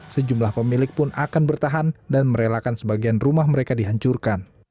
sejumlah pemilik pun akan bertahan dan merelakan sebagian rumah mereka dihancurkan